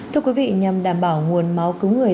thưa quý vị nhằm đảm bảo nguồn máu cứu người